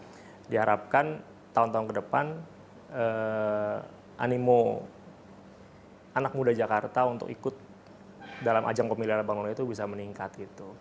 jadi diharapkan tahun tahun ke depan animo anak muda jakarta untuk ikut dalam ajang pemilihan abang none itu bisa meningkat